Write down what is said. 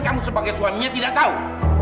kamu sebagai suaminya tidak tahu